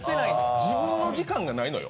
自分の時間がないのよ。